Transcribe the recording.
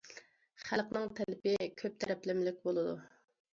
خەلقنىڭ تەلىپى كۆپ تەرەپلىمىلىك بولىدۇ.